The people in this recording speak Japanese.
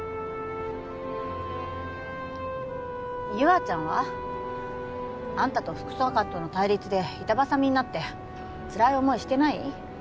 優愛ちゃんは？あんたと副総監との対立で板挟みになってつらい思いしてない？